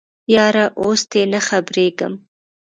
یاره اوس تې نه خبریږم